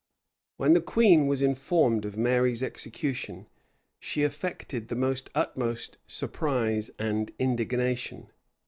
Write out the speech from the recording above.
When the queen was informed of Mary's execution, she affected the utmost surprise and indignation.